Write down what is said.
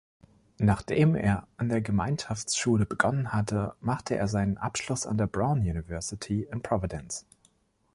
Nach dem er an der Gemeinschaftsschule begonnen hatte, machte er seinen Abschluss an der Brown University in Providence.